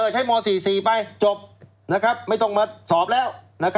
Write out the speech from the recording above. ม๔๔ไปจบไม่ต้องมาสอบแล้ว